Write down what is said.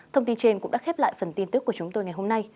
thông tin trên cũng đã khép lại phần tin tức của chúng tôi ngày hôm nay